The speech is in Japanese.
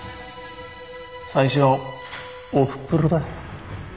最初はおふくろだ。